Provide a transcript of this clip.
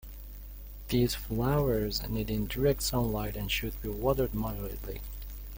These flowers need indirect sunlight and should be watered moderately.